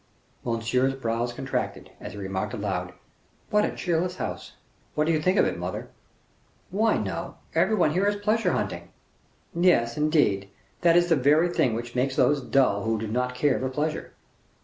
Monsieur's brows contracted, as he remarked aloud, "What a cheerless house. What do you think of it, mother?" "Why, no; everybody here is pleasure hunting." "Yes, indeed, that is the very thing that makes those dull who do not care for pleasure."